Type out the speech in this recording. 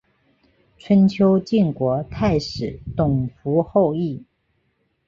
春秋晋国太史董狐后裔。